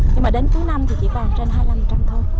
nhưng mà đến cuối năm thì chỉ còn trên hai mươi năm một trăm linh thôi